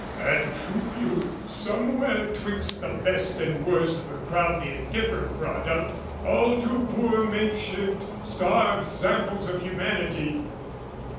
And troop you, somewhere 'twixt the best and worst, Where crowd the indifferent product, all too poor Makeshift, starved samples of humanity!